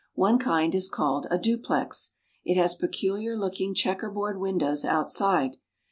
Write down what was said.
One kind is called a duplex. It has peculiar looking checkerboard windows outside.